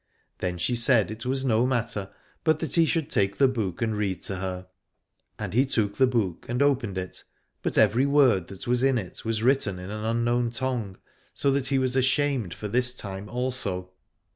Then she said it was no matter, but that he should take the book and read to her. And he took the book, and opened it : but every word that was in it was written in an unknown tongue, so that he was ashamed for this time also.